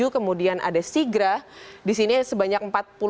kemudian ada sigra di sini sebanyak empat puluh satu lima ratus tiga puluh delapan